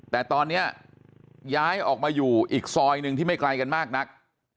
แต่ตอนนี้ย้ายออกมาอยู่อีกซอยหนึ่งที่ไม่ไกลกันมากนัก